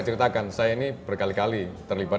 ceritakan saya ini berkali kali terlibat